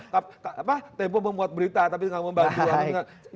cuma tmpo membuat berita tapi tidak membantu